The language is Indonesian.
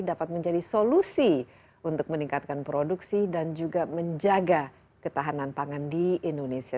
dapat menjadi solusi untuk meningkatkan produksi dan juga menjaga ketahanan pangan di indonesia